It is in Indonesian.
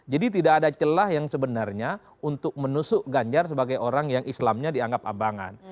jadi tidak ada celah yang sebenarnya untuk menusuk ganjar sebagai orang yang islamnya dianggap abangan